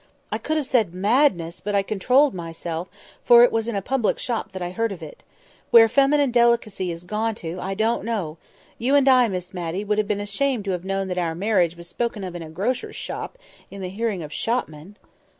I could have said 'Madness!' but I controlled myself, for it was in a public shop that I heard of it. Where feminine delicacy is gone to, I don't know! You and I, Miss Matty, would have been ashamed to have known that our marriage was spoken of in a grocer's shop, in the hearing of shopmen!"